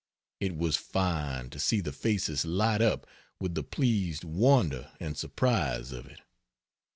It was fine to see the faces light up with the pleased wonder and surprise of it.